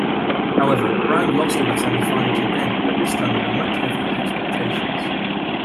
However, Brown lost in the semi-finals again but this time under much heavier expectations.